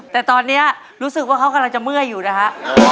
แต่ตอนนี้รู้สึกว่าเขากำลังจะเมื่อยอยู่นะฮะ